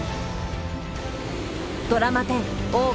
ドラマ１０「大奥」